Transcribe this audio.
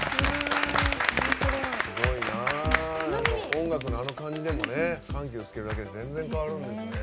音楽のあの感じでも緩急つけるだけで全然、変わるんですね。